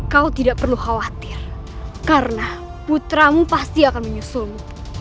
kau tidak perlu khawatir karena putramu pasti akan menyusul